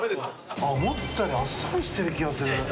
思ったよりあっさりしてる気がする。